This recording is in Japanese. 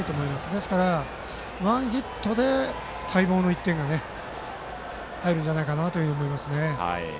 ですから、ワンヒットで待望の１点が入るんじゃないかと思いますね。